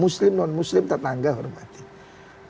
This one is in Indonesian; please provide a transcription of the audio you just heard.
muslim non muslim tetangga harus menghormati